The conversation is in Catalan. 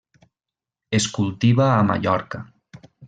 Es cultiva a Mallorca.